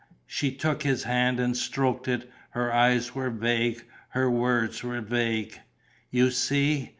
She took his hand and stroked it; her eyes were vague, her words were vague: "You see